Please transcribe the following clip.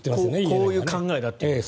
こういう考えだったと。